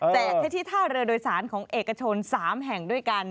ให้ที่ท่าเรือโดยสารของเอกชน๓แห่งด้วยกัน